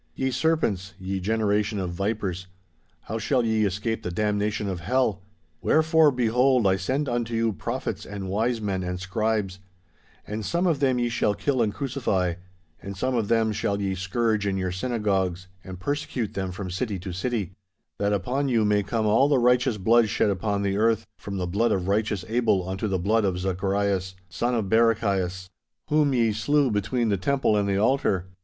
'"Ye serpents, ye generation of vipers, how shall ye escape the damnation of hell? Wherefore behold I send unto you prophets and wise men and scribes; and some of them ye shall kill and crucify, and some of them shall ye scourge in your synagogues, and persecute them from city to city—that upon you may come all the righteous blood shed upon the earth, from the blood of righteous Abel unto the blood of Zacharias, son of Barachias, whom ye slew between the temple and the altar.